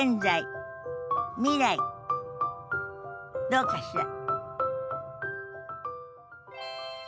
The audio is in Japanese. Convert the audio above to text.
どうかしら？